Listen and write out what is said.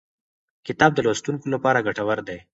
کتاب د لوستونکو لپاره ګټور دی.